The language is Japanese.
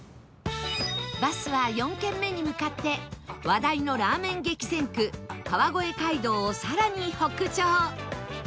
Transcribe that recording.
バスは４軒目に向かって話題のラーメン激戦区川越街道をさらに北上